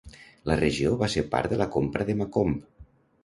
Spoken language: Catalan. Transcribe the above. La regió va ser part de la compra de Macomb.